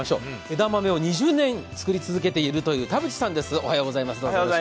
枝豆を２０年作り続けているという田渕さんです。